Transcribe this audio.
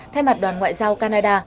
thay mặt đoàn ngoại giao canada